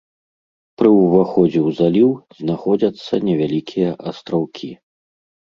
Пры ўваходзе ў заліў знаходзяцца невялікія астраўкі.